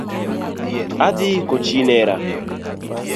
Adhi iko chi near